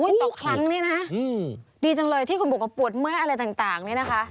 ต่อครั้งเนี่ยนะดีจังเลยที่คุณบอกว่าปวดเมื่อยอะไรต่างนี่นะคะ